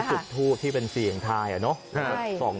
มีดูกทูกที่เป็นสี่อย่างไทยอ่ะเนาะ